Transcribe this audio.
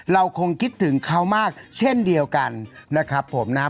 เราคงคิดถึงเขามากเช่นเดียวกันนะครับผมนะครับ